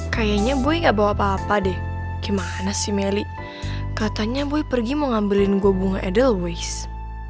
kayaknya bui gak bawa apa apa deh gimana sih melly katanya bui pergi mau ngambilin gue bunga edelweiss